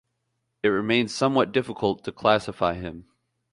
It remains somewhat difficult to classify him.